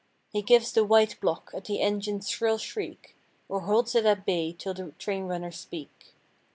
He gives the "white block" at the engine's shrill shriek. Or holds it at bay 'till the train runners speak.